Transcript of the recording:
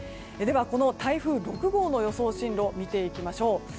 この台風６号の予想進路を見ていきましょう。